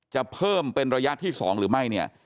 จะเพิ่มเป็นระยะที่สองหรือไม่